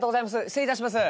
失礼いたします。